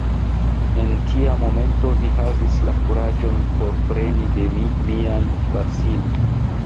En tia momento vi havis la kuraĝon forpreni de mi mian Vasili!